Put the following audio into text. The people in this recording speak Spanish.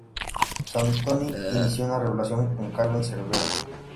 Santoni inició una relación con Carmen Cervera.